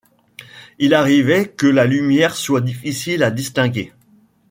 Il arrivait que la lumière soit difficile à distinguer.